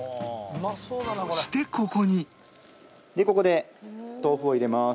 そしてここにでここで豆腐を入れます。